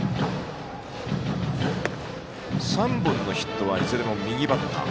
３本のヒットはいずれも右バッター。